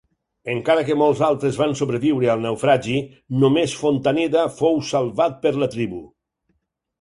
Encara que molts altres van sobreviure al naufragi, només Fontaneda fou salvat per la tribu.